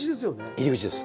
入り口です。